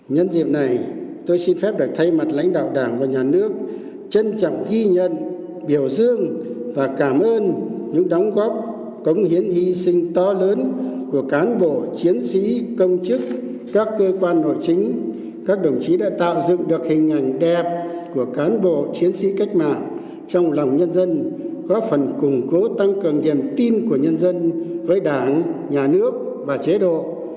nhân dịp này tôi xin phép được thay mặt lãnh đạo đảng và nhà nước trân trọng ghi nhận biểu dương và cảm ơn những đóng góp cống hiến hy sinh to lớn của cán bộ chiến sĩ công chức các cơ quan nội chính các đồng chí đã tạo dựng được hình ảnh đẹp của cán bộ chiến sĩ cách mạng trong lòng nhân dân góp phần củng cố tăng cường điểm tin của nhân dân với đảng nhà nước và chế độ